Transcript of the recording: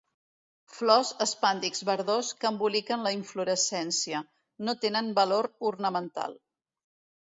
Flors espàdix verdós que emboliquen la inflorescència; no tenen valor ornamental.